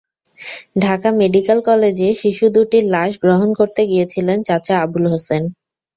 Dhaka medical কলেজে শিশু দুটির লাশ গ্রহণ করতে গিয়েছিলেন চাচা আবুল হোসেন।